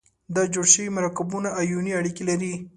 دا جوړ شوي مرکبونه آیوني اړیکې لري.